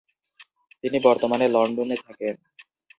তিনি বর্তমানে লন্ডনে থাকেন।